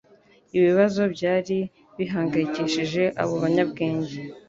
Ibibazo byari bihangayikishije abo banyabwenge